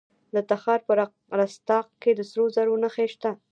د تخار په رستاق کې د سرو زرو نښې شته.